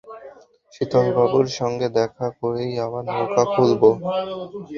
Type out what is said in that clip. শীতলবাবুর সঙ্গে দেখা করেই আবার নৌকা খুলব।